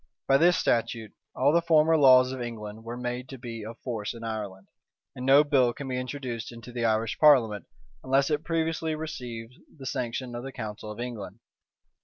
By this statute, all the former laws of England were made to be of force in Ireland; and no bill can be introduced into the Irish parliament, unless it previously receive the sanction of the council of England.